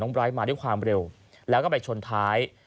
ไบร์ทมาด้วยความเร็วแล้วก็ไปชนท้าย